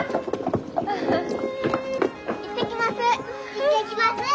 行ってきます！